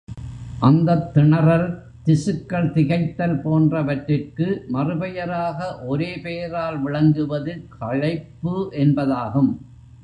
அந்தத் திணறல், திசுக்கள் திகைத்தல் போன்றவற்றிற்கு மறுபெயராக ஒரே பெயரால் விளங்குவது களைப்பு என்பதாகும்.